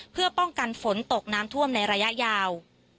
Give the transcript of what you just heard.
เพื่อป้องกันฝนตกน้ำท่วมในระยะยาว